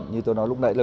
như tôi nói lúc nãy là